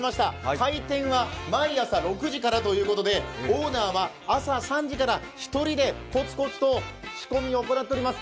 開店は毎朝６時からということでオーナーは朝３時から１人でコツコツと仕込みを行っております。